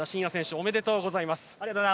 ありがとうございます。